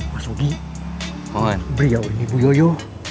mas ugi beliau ini bu yoyo